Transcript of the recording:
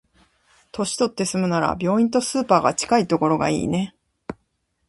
年取って住むなら、病院とスーパーが近いところがいいね。